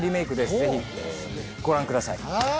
ぜひご覧ください。